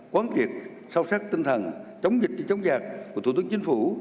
quán triệt sâu sắc tinh thần chống dịch chống giặc của thủ tướng chính phủ